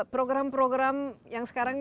program program yang sekarang